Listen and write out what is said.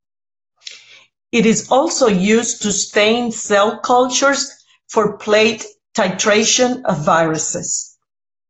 It is also used to stain cell cultures for plate titration of viruses.